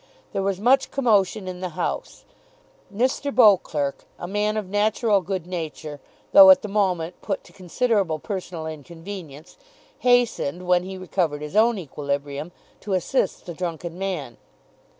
There was much commotion in the House. Mr. Beauclerk, a man of natural good nature, though at the moment put to considerable personal inconvenience, hastened, when he recovered his own equilibrium, to assist the drunken man.